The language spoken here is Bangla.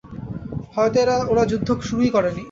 হয়তো ওরা যুদ্ধ শুরুই করেনি।